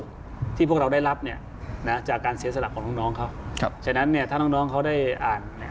สุขที่พวกเราได้รับจากการเสียสละของน้องเขาฉะนั้นถ้าน้องเขาได้อ่าน